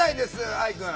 愛くん。